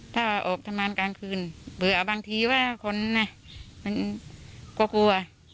ถ้าออกทำงานกลางคืนเผื่อบางทีว่าคนมันก็กลัว